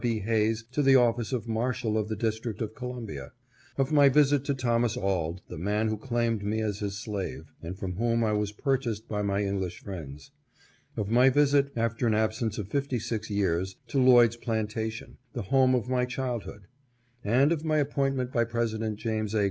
B. Hayes to the office of Marshal of the District of Columbia ; of my visit to Thomas Auld, the man who claimed me as his slave, and from whom I was purchased by my English friends ; of my visit, after an absence of fifty six years, to Lloyd's plantation, the home of my childhood ; and of my appointment by President James A.